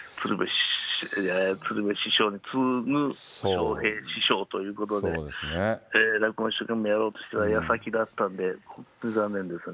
鶴瓶師匠に次ぐ、笑瓶師匠ということで、落語一生懸命やろうとしてるやさきだったんで、本当に残念ですね。